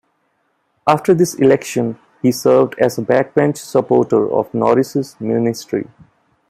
After this election, he served as a backbench supporter of Norris's ministry.